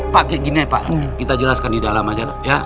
pak kayak ginian ya pak kita jelaskan di dalam aja ya